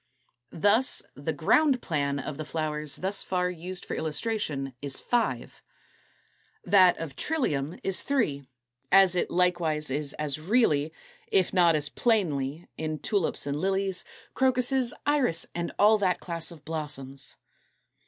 Thus the ground plan of the flowers thus far used for illustration is five. That of Trillium (Fig. 226, 227) is three, as it likewise is as really, if not as plainly, in Tulips and Lilies, Crocus, Iris, and all that class of blossoms.